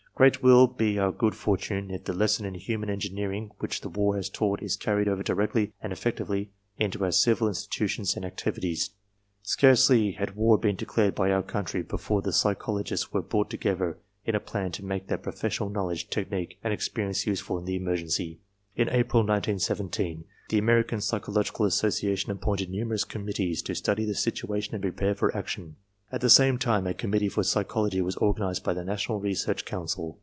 Great will be our good fortune if the lesson in human engineering which the war has taught is carried over directly and effectively into our civil institutions and activities. Scarcely had war been declared by our country before the psychologists were brought together in a plan to make their professional knowledge, technique, and experience useful in the emergency. ^n April, 1917, the American Psychological Asso ciation appointed numerous committees to study the situation and prepare for action. At the same time a Committee for psychology was organized by the National Research Council.